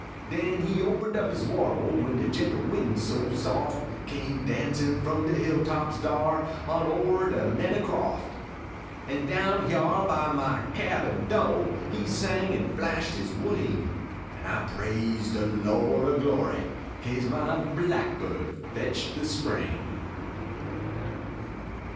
Den he opened up his warble, When de gentle winds so soft Came dancin from de hill tops dar. An o er de meddah croft. An down hyar by mail cabin do He sang an flashed his wing, An I praised de Lo cl of glory, Kase my blackbird fetched de spring.